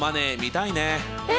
え！